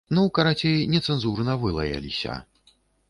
Ну, карацей, нецэнзурна вылаяліся.